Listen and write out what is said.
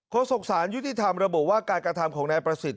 โครสกศาลยุทธิธรรมระบบว่าการกระทำของนายประสิทธิ์